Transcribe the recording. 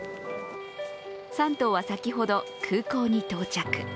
３頭は先ほど、空港に到着。